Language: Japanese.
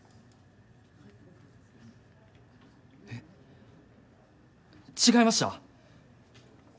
えっ違いました？